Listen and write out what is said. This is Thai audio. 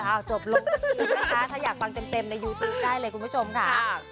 จบลงอีกทีนะคะถ้าอยากฟังเต็มในยูทูปได้เลยคุณผู้ชมค่ะ